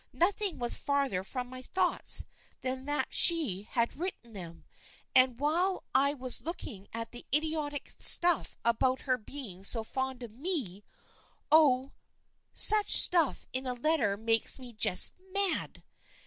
Nothing was farther from my thoughts than that she had written them, and while I was looking at the idiotic stuff about her being so fond of me — oh, such stuff in a letter makes me just mad.